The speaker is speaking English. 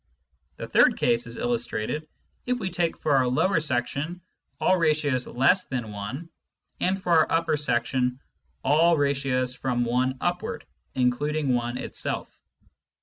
The third case is illustrated if we take for our lower section all ratios less than 1, and for our upper section all ratios from 1 upward (including 1 itself).